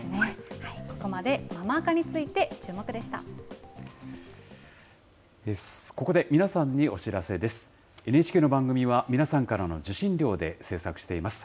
ここまで、ママ垢について、チュここで皆さんにお知らせです。